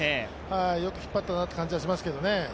よく引っ張ったなという感じはしますけどね。